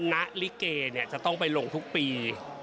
ณลิเกจะต้องไปลงทุกปี